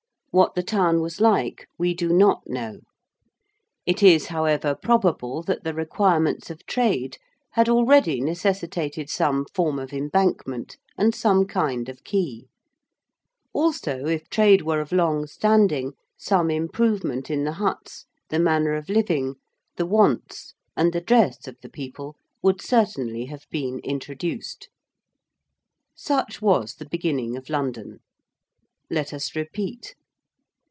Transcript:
What the town was like we do not know. It is, however, probable that the requirements of trade had already necessitated some form of embankment and some kind of quay; also, if trade were of long standing, some improvement in the huts, the manner of living, the wants, and the dress of the people would certainly have been introduced. Such was the beginning of London. Let us repeat.